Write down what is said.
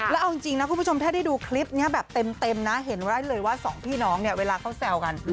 แล้วเอาจริงนะคุณผู้ชมถ้าได้ดูคลิปนี้แบบเต็มนะเห็นไว้เลยว่าสองพี่น้องเนี่ยเวลาเขาแซวกัน